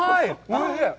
おいしい。